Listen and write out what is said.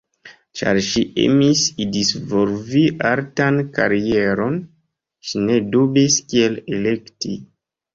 Ĉar ŝi emis disvolvi artan karieron, ŝi ne dubis kiel elekti.